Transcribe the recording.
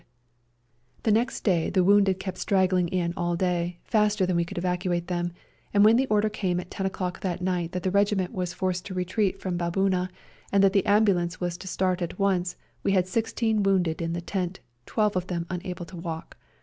A SERBIAN AMBULANCE 31 The next day the wounded kept strag gling in all day, faster than we could evacuate them, and when the order came at ten o'clock that night that the regiment was forced to retreat from Baboona, and that the ambulance was to start at once, we had sixteen wounded in the tent, twelve of them unable to walk.